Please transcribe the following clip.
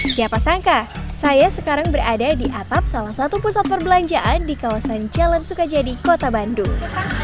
siapa sangka saya sekarang berada di atap salah satu pusat perbelanjaan di kawasan jalan sukajadi kota bandung